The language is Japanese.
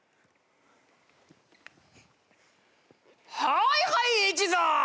はいはい一座